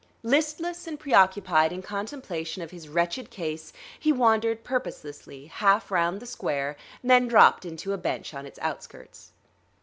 Listless and preoccupied in contemplation of his wretched case he wandered purposelessly half round the square, then dropped into a bench on its outskirts.